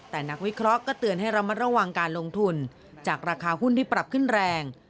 แต่นักวิเคราะห์ก็เตือนให้ระมัดระวังการลงทุนจากราคาหุ้นที่ปรับขึ้นแรง